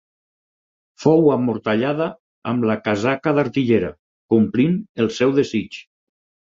Fou amortallada amb la casaca d'artillera, complint el seu desig.